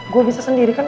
gue bisa sendiri kan